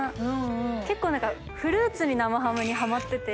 結構フルーツに生ハムにハマってて。